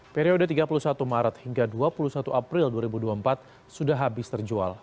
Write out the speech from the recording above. periode tiga puluh satu maret hingga dua puluh satu april dua ribu dua puluh empat sudah habis terjual